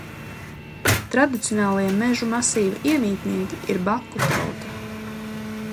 Tradicionālie mežu masīvu iemītnieki ir baku tauta.